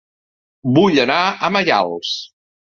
Vull anar a Maials